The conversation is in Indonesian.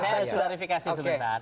oke saya sudah verifikasi sebentar